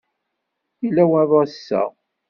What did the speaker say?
Yella waḍu ass-a.